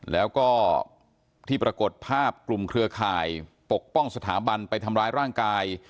แล้วก็ที่ปรากฏภาพกลุ่มเครือข่ายปกป้องสถาบันไปทำร้ายร่างกาย